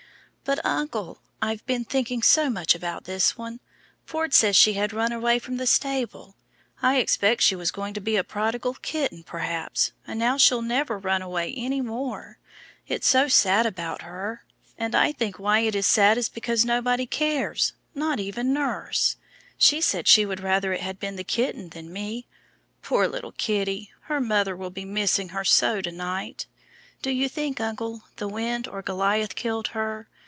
"But, uncle, I've been thinking so much about this one. Ford says she had run away from the stable. I expect she was going to be a prodigal kitten, perhaps, and now she'll never run away any more. It's so sad about her, and I think why it is sad is because nobody cares, not even nurse. She said she would rather it had been the kitten than me. Poor little kitty, her mother will be missing her so to night! Do you think, uncle, the wind or Goliath killed her?